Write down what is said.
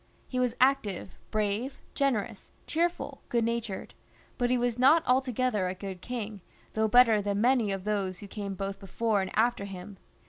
He was active, brave, generous, cheerful, good natured ; but he was not altogether a good king, though better than many of those who came both before and after him.